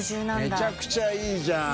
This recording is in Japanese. めちゃくちゃいいじゃん。